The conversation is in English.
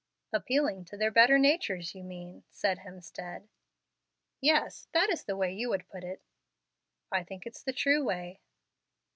"Appealing to their better natures, you mean," said Hemstead. "Yes, that is the way you would put it." "I think it's the true way."